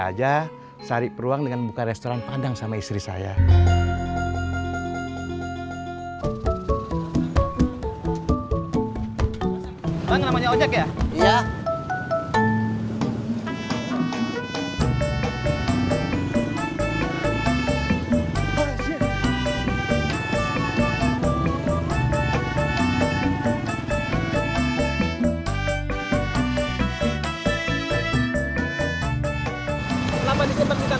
aja cari peluang dengan buka restoran padang sama istri saya namanya ya